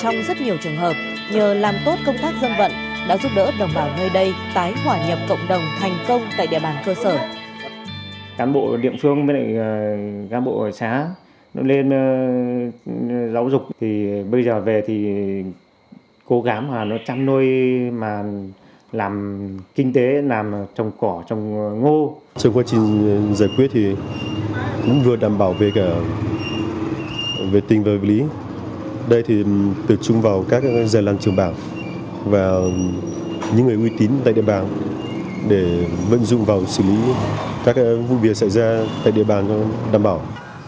trong rất nhiều trường hợp nhờ làm tốt công tác dân vận đã giúp đỡ đồng bào nơi đây tái hỏa nhập cộng đồng thành công tại địa bàn cơ sở